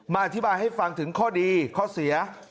อธิบายให้ฟังถึงข้อดีข้อเสีย